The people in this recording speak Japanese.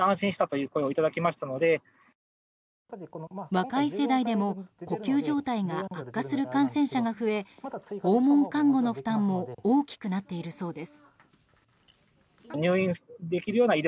若い世代でも呼吸状態が悪化する感染者が増え訪問看護の負担も大きくなっているそうです。